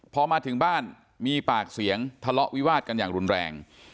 พอมาถึงบ้านมีปากเสียงทะเลาะวิวาดกันอย่างรุนแรง